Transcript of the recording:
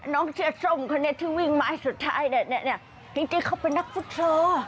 น้องเชียร์ส้มเขาที่วิ่งไม้สุดท้ายจริงเขาเป็นนักฟุตเตอร์